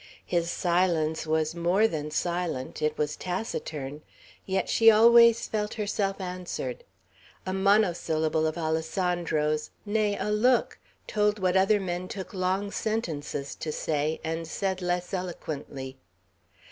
His silence was more than silent; it was taciturn. Yet she always felt herself answered. A monosyllable of Alessandro's, nay, a look, told what other men took long sentences to say, and said less eloquently.